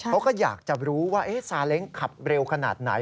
เขาก็อยากจะรู้ว่าซาเล้งขับเร็วขนาดไหน